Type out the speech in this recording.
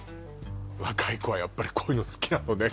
若い子はやっぱりこういうの好きなのね